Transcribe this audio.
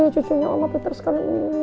cucunya mama teruskan